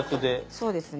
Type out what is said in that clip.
そうですね。